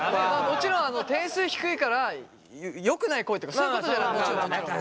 もちろん点数低いからよくない声とかそういうことじゃないと。